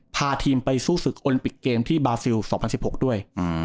พาทีมไปสู้ศึกโอลิมปิกเกมที่บาซิล๒๐๑๖ด้วย